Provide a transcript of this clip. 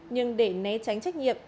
nhưng để né tránh trách nhiệm